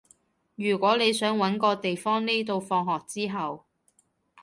如果你想搵個地方匿到放學之後